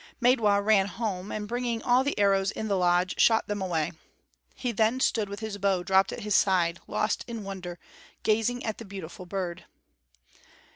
Maidwa ran home, and bringing all the arrows in the lodge, shot them away. He then stood with his bow dropped at his side, lost in wonder, gazing at the beautiful bird.